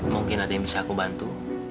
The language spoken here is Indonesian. mungkin ada yang bisa aku bantu